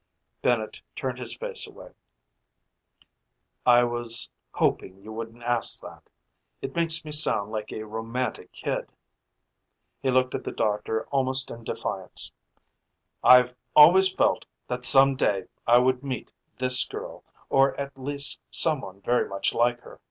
Bennett turned his face away. "I was hoping you wouldn't ask that. It makes me sound like a romantic kid." He looked at the doctor almost in defiance. "I've always felt that some day I would meet this girl, or at least someone very much like her.